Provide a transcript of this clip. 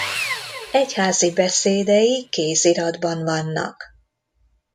Egyházi beszédei kéziratban vannak.